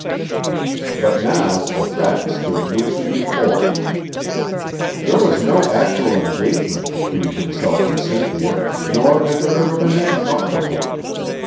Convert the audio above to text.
But now the facts stood lucidly forth. There was no actual engagement between himself and Cynthia, nor had there ever been any talk of one.